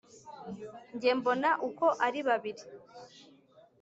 jye mbona uko ari babiri